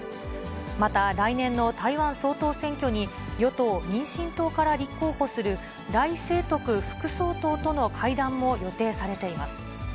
また来年の台湾総統選挙に、与党・民進党から立候補する、頼清徳副総統との会談も予定されています。